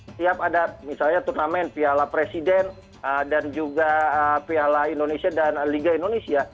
setiap ada misalnya turnamen piala presiden dan juga piala indonesia dan liga indonesia